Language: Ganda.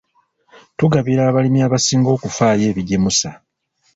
Tugabira abalimi abasinga okufaayo ebigimusa.